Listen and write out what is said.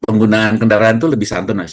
penggunaan kendaraan itu lebih santun mas